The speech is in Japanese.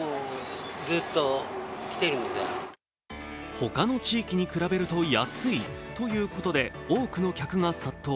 他の地域に比べると安いということで多くの客が殺到。